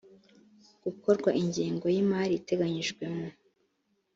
gukorwa ingengo y imali iteganyijwe mu